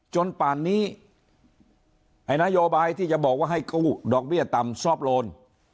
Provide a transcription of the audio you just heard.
ป่านนี้ไอ้นโยบายที่จะบอกว่าให้กู้ดอกเบี้ยต่ำซอฟต์โลน